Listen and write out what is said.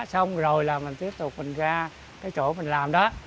xong rồi là mình tiếp tục mình ra cái chỗ mình làm đó